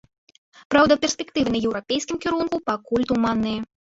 Праўда, перспектывы на еўрапейскім кірунку пакуль туманныя.